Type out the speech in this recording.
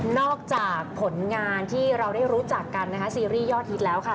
อกจากผลงานที่เราได้รู้จักกันนะคะซีรีส์ยอดฮิตแล้วค่ะ